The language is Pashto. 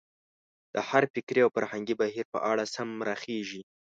د هر فکري او فرهنګي بهیر په اړه سم راخېژي.